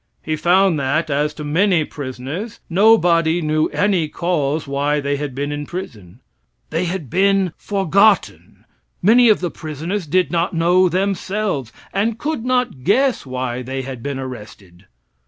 He found that, as to many prisoners, nobody knew any cause why they had been in prison. They had been forgotten. Many of the prisoners did not know themselves, and could not guess why they had been arrested.